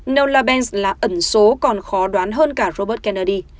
nella banks là ẩn số còn khó đoán hơn cả robert kennedy